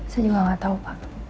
saya juga gak tau pak